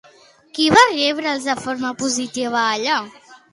Qui va rebre'ls de forma positiva allà?